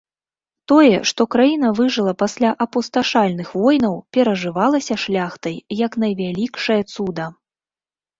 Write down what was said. Тое, што краіна выжыла пасля апусташальных войнаў перажывалася шляхтай як найвялікшае цуда.